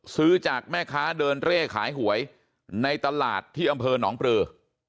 ซื้อจากแม่ค้าเดินเร่ขายหวยในตลาดที่อำเภอหนองปลือ